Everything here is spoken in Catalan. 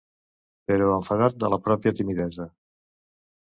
Però enfadat de la pròpia timidesa